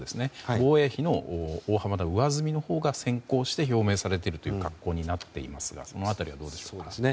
防衛費の大幅な上積みのほうが先行して表明されているという格好になっていますがその辺りはどうでしょうか？